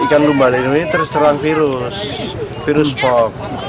ikan lumba ini terserang virus virus pox